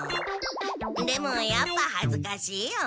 でもやっぱはずかしいよ。